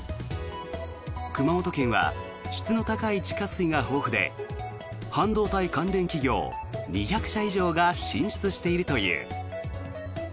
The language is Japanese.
熊本県は質の高い地下水が豊富で半導体関連企業２００社以上が進出しているという。